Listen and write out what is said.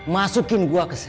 masukin gua ke set